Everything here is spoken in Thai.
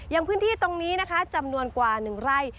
อย่างพื้นที่ตรงนี้นะคะจำนวนกว่า๑ไร่